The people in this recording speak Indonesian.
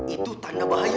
itu tanda bahaya